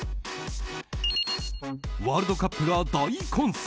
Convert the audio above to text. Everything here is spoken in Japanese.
ワールドカップが大混戦。